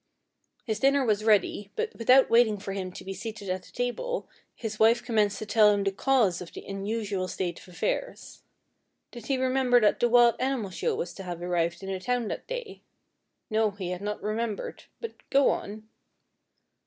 "His dinner was ready, but without waiting for him to be seated at the table his wife commenced to tell him the cause of the unusual state of affairs. 'Did he remember that the wild animal show was to have arrived in the town that day?' 'No,' he had not remembered, 'but go on.'